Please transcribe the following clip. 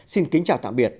xin kính chào tạm biệt